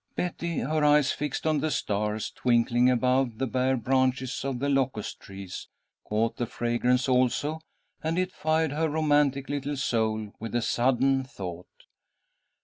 Betty, her eyes fixed on the stars, twinkling above the bare branches of the locust trees, caught the fragrance also, and it fired her romantic little soul with a sudden thought.